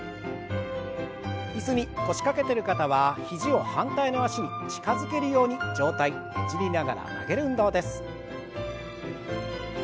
椅子に腰掛けてる方は肘を反対の脚に近づけるように上体ねじりながら曲げる運動です。